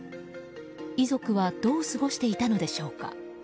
遺族はどう過ごしていたのでしょうか。